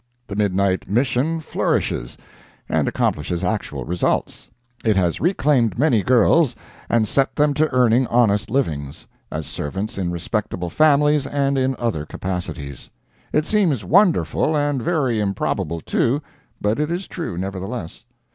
The Midnight Mission flourishes, and accomplishes actual results. It has reclaimed many girls, and set them to earning honest livings, as servants in respectable families and in other capacities. It seems wonderful, and very improbable, too, but it is true, nevertheless.